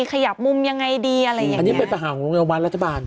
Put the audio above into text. ขยับมุมยังไงดีอะไรอย่างเงี้อันนี้เป็นทหารของโรงพยาบาลรัฐบาล